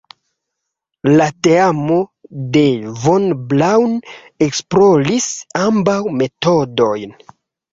La teamo de Von Braun esploris ambaŭ metodojn.